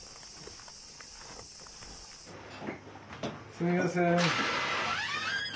すみません。